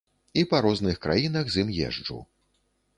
І па розных краінах з ім езджу.